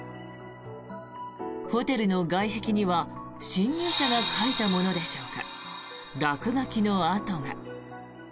ホテルの外壁には侵入者が描いたものでしょうか落書きの跡が。